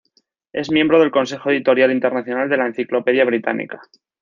Es miembro del Consejo Editorial Internacional de la Enciclopedia Británica.